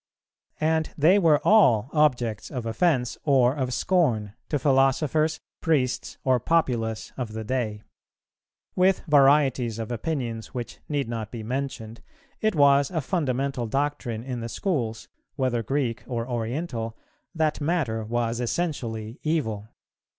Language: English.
And they were all objects of offence or of scorn to philosophers, priests, or populace of the day. With varieties of opinions which need not be mentioned, it was a fundamental doctrine in the schools, whether Greek or Oriental, that Matter was essentially evil.